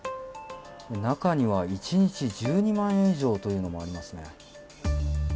中には１日１２万円以上というのもありますね。